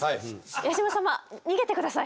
八嶋様逃げて下さい。